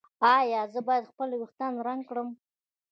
ایا زه باید خپل ویښتان رنګ کړم؟